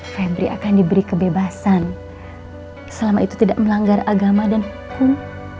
febri akan diberi kebebasan selama itu tidak melanggar agama dan hukum